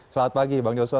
selamat pagi bang joshua